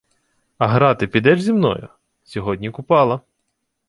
— А грати підеш зі мною? Сьогодні Купала.